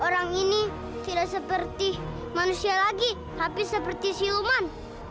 orang ini bukan lagi seperti manusia tapi seperti siluman